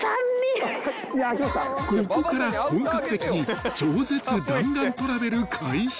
［ここから本格的に超絶弾丸トラベル開始］